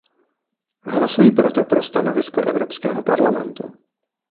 Hlasuji proto pro stanovisko Evropského parlamentu.